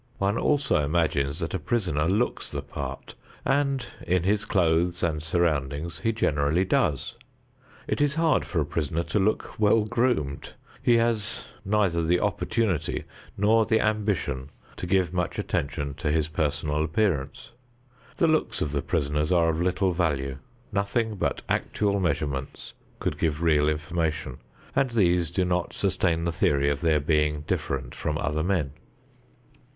One also imagines that a prisoner looks the part, and in his clothes and surroundings he generally does. It is hard for a prisoner to look well groomed; he has neither the opportunity nor the ambition to give much attention to his personal appearance. The looks of the prisoners are of little value. Nothing but actual measurements could give real information, and these do not sustain the theory of their being different from other men.